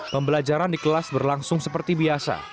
pembelajaran di kelas berlangsung seperti biasa